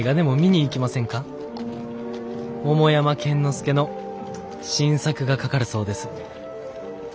桃山剣之介の新作がかかるそうです」。